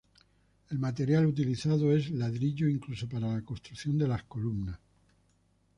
El material utilizado es ladrillo, incluso para la construcción de las columnas.